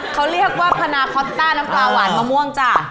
เขาเรียกว่าพนาคอตต้าน้ำปลาหวานมะม่วงจ้ะ